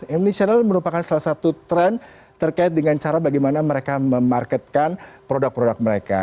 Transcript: imnetional merupakan salah satu tren terkait dengan cara bagaimana mereka memarketkan produk produk mereka